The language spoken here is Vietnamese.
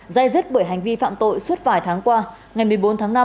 gie giết bởi hành vi phạm tội suốt vài tháng qua ngày một mươi bốn tháng năm